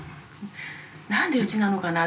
「なんでうちなのかな？」